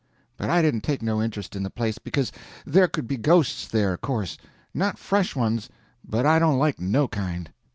But I didn't take no interest in the place, because there could be ghosts there, of course; not fresh ones, but I don't like no kind.